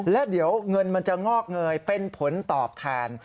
และเดี๋ยวเงินมันจะงอกเงยเป็นผลตอบแทน